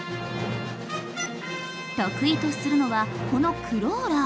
得意とするのはこのクローラー。